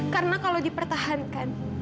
karena kalau dipertahankan